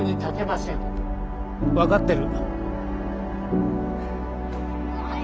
分かってる。